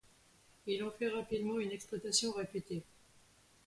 Il en fait rapidement une exploitation réputée.